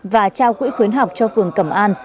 và trao quỹ khuyến học cho phường cẩm an